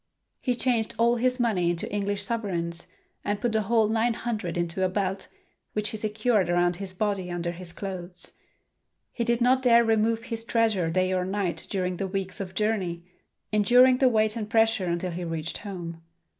He changed all his money into English sovereigns and put the whole nine hundred into a belt, which he secured around his body under his clothes. He did not dare remove his treasure day or night during the weeks of journey, enduring the weight and pressure until he reached home.